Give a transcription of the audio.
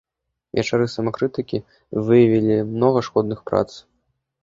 Вечары самакрытыкі выявілі многа шкодных прац.